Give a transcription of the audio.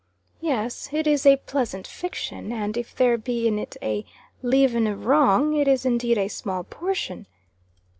Yes, it is a pleasant fiction; and if there be in it a leaven of wrong, it is indeed a small portion.